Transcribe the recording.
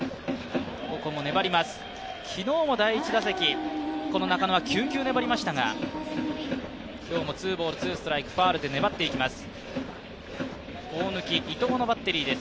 昨日も第１打席、この中野は９球粘りましたが、今日もツーボール・スーストライクファウルで粘っていきます。